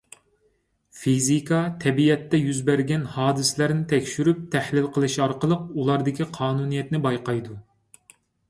فىزىكا تەبىئەتتە يۈز بەرگەن ھادىسىلەرنى تەكشۈرۈپ تەھلىل قىلىش ئارقىلىق ئۇلاردىكى قانۇنىيەتنى بايقايدۇ.